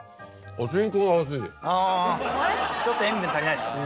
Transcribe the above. あちょっと塩分足りないですか？